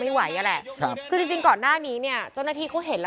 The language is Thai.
ตียยกมือให้พี่ดูหน่อย